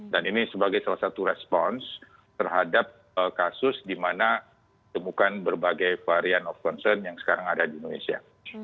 dan ini sebagai salah satu respons terhadap kasus di mana temukan berbagai varian of concern yang sekarang ada di indonesia